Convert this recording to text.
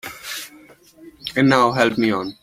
And now help me on.